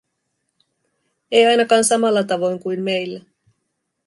Ei ainakaan samalla tavoin kuin meillä.